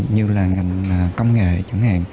như là ngành công nghệ chẳng hạn